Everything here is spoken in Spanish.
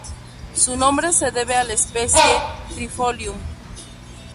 Su nombre se debe a la especie "Trifolium".